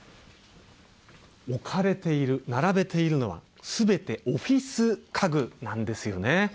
置かれている、並べているのは、すべてオフィス家具なんですよね。